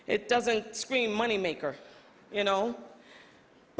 itu tidak menjerit para pembuat uang